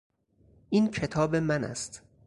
این کتاب من است.